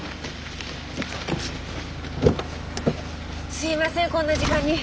すいませんこんな時間に。